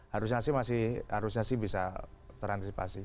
harusnya sih masih bisa terantisipasi